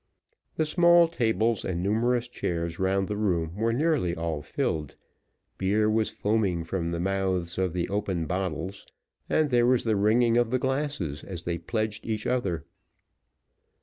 The small tables and numerous chairs round the room were nearly all filled, beer was foaming from the mouths of the opened bottles, and there was the ringing of the glasses as they pledged each other.